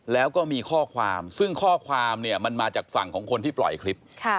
แล้วก็มีข้อความซึ่งข้อความเนี่ยมันมาจากฝั่งของคนที่ปล่อยคลิป